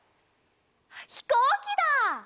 ひこうきだ！